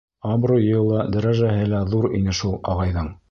Абруйы ла, дәрәжәһе лә ҙур ине шул ағайҙың.